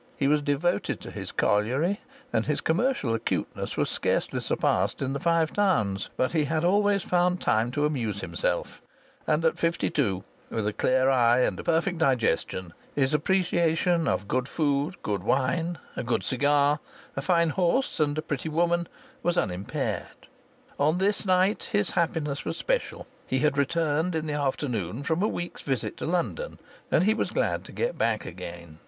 He was devoted to his colliery, and his commercial acuteness was scarcely surpassed in the Five Towns, but he had always found time to amuse himself; and at fifty two, with a clear eye and a perfect digestion, his appreciation of good food, good wine, a good cigar, a fine horse, and a pretty woman was unimpaired. On this night his happiness was special; he had returned in the afternoon from a week's visit to London, and he was glad to get back again.